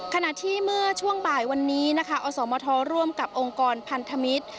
ขณะที่เมื่อช่วงบ่ายวันนี้นะคะอสมทร่วมกับองค์กรพันธมิตร